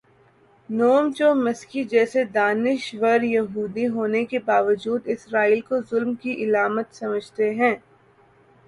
نوم چومسکی جیسے دانش وریہودی ہونے کے باوجود اسرائیل کو ظلم کی علامت سمجھتے ہیں۔